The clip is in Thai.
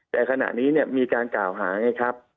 แต่ขณะนี้เนี่ยมีการกล่าวหาไงครับ